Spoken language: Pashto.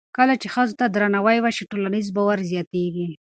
کله چې ښځو ته درناوی وشي، ټولنیز باور زیاتېږي.